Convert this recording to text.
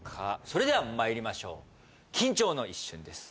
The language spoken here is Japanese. それではまいりましょう緊張の一瞬です